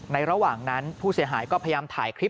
ระหว่างนั้นผู้เสียหายก็พยายามถ่ายคลิป